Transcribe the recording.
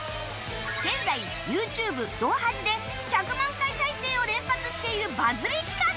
現在 ＹｏｕＴｕｂｅ「動はじ」で１００万回再生を連発しているバズり企画！